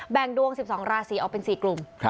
งดวง๑๒ราศีออกเป็น๔กลุ่ม